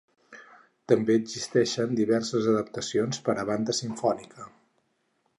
També existeixen diverses adaptacions per a banda simfònica.